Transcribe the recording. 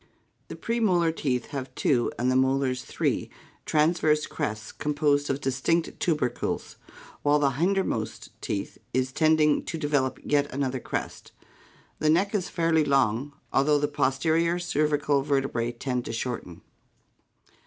The premolar teeth have two and the molars three transverse crests composed of distinct tubercles, while the hinder most tooth is tending to develop yet another crest. The neck is fairly long, al though the posterior cervical vertebrae tend to shorten.